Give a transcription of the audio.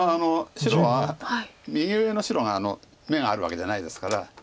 白は右上の白が眼があるわけじゃないですから。